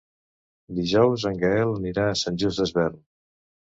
Dijous en Gaël anirà a Sant Just Desvern.